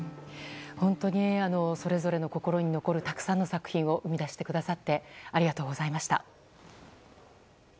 本当にそれぞれの心に残るたくさんの作品を生み出してくださってありがとうございました。